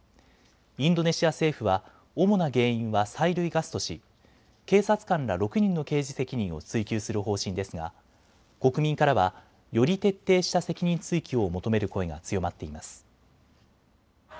インドネシア政府は主な原因は催涙ガスとし警察官ら６人の刑事責任を追及する方針ですが国民からはより徹底した責任追及を求める声が強まっています。